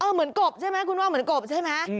เหมือนกบใช่ไหมคุณว่าเหมือนกบใช่ไหม